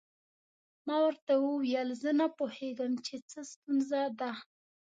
ما ورته وویل زه نه پوهیږم چې څه ستونزه ده.